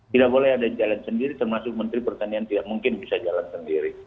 tidak boleh ada jalan sendiri termasuk menteri pertanian tidak mungkin bisa jalan sendiri